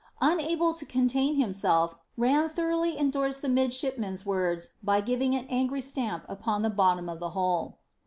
Unable to contain himself, Ram thoroughly endorsed the midshipman's words by giving an angry stamp upon the bottom of the hole.